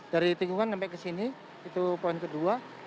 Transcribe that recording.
dari tikungan sampai ke sini itu poin kedua